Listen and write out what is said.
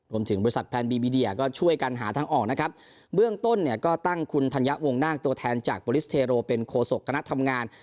รวมถึงบริษัทแพลนบีบีเดียก็ช่วยกันหาทางออกนะครับเบื้องต้นเนี่ยก็ตั้งคุณธัญญะวงนาคตัวแทนจากโปรลิสเทโรเป็นโคศกคณะทำงาน